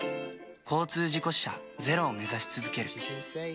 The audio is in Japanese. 交通事故死者ゼロを目指し続ける。